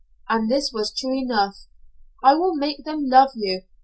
And this was true enough. 'I will make them love you.